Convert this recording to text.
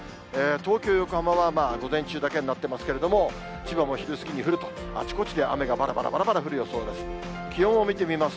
東京、横浜は午前中だけになってますけれども、千葉も昼過ぎに降ると、あちこちで雨がばらばらばらばら降る予想になっています。